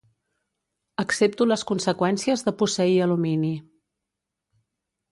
Accepto les conseqüències de posseir alumini.